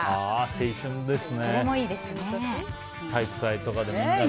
青春ですね。